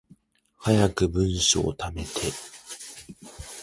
早く文章溜めて